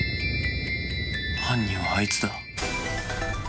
犯人はあいつだ。